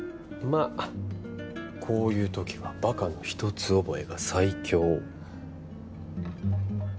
あこういう時はバカの一つ覚えが最強